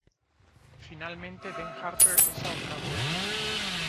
Finalmente Ben Harper es ahorcado.